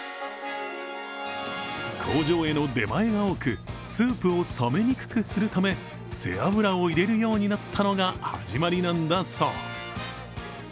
工場への出前が多く、スープを冷めにくくするため背脂を入れるようになったのが始まりなんだそう。